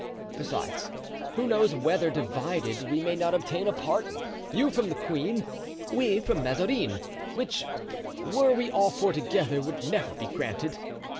Besides, who knows whether, divided, we may not obtain a pardon—you from the queen, we from Mazarin—which, were we all four together, would never be granted.